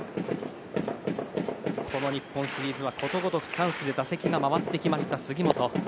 この日本シリーズはことごとく、チャンスで打席が回ってきた杉本。